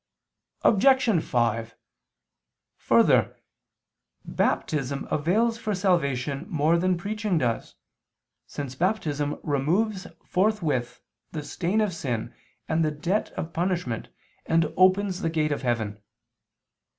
Obj. 5: Further, Baptism avails for salvation more than preaching does, since Baptism removes forthwith the stain of sin and the debt of punishment, and opens the gate of heaven.